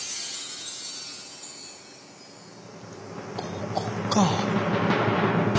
ここか！